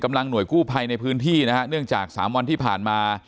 หน่วยกู้ภัยในพื้นที่นะฮะเนื่องจากสามวันที่ผ่านมา